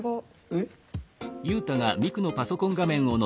えっ？